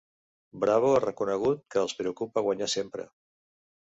Bravo ha reconegut que els preocupa guanyar sempre.